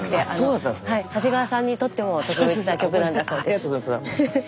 長谷川さんにとっても特別な曲なんだそうです。